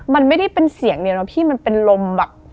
มันไม่ได้เป็นเสียงเดียวนะพี่มันเป็นลมแบบ